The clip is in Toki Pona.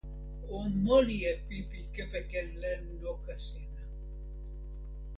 o moli e pipi kepeken len noka sina.